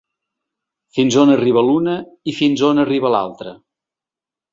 Fins on arriba l’una i fins on arriba l’altra.